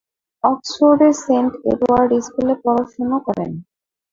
অক্সফোর্ডের Saint Edward স্কুলে পড়াশুনো করেন।